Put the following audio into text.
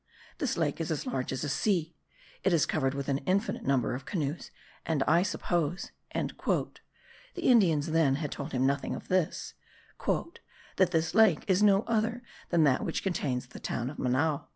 This lake is as large as a sea; it is covered with an infinite number of canoes; and I suppose" [the Indians then had told him nothing of this] "that this lake is no other than that which contains the town of Manoa."